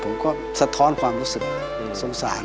สะท้อนความรู้สึกสงสาร